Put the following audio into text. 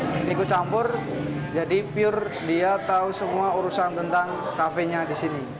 dan ikut campur jadi pure dia tahu semua urusan tentang kafenya di sini